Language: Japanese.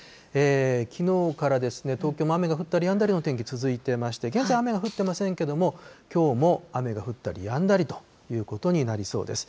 きのうからですね、東京も雨が降ったりやんだりの天気続いてまして、現在、雨は降ってませんけれども、きょうも雨が降ったりやんだりということになりそうです。